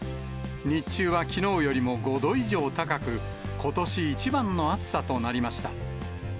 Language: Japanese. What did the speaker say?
日中はきのうよりも５度以上高く、ことし一番の暑さとなりました。